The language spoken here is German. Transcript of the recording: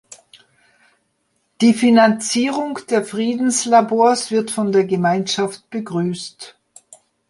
Die Finanzierung der Friedenslabors wird von der Gemeinschaft begrüßt.